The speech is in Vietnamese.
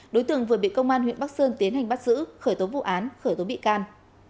đối tượng vừa bị công an huyện bắc sơn tiến hành bắt giữ khởi tố vụ án khởi tố bị can